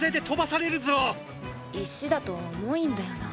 石だと重いんだよなぁ。